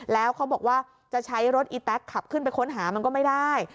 แล้วเขาบอกว่าจะใช้รถอีแต๊กขับขึ้นไปค้นหามันก็ไม่ได้